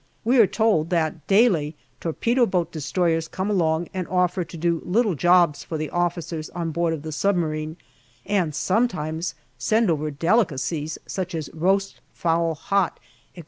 We are told that daily torpedo boat destroyers come along and offer to do little jobs for the officers on board the submarine, and sometimes send over delicacies, such as roast fowl hot, etc.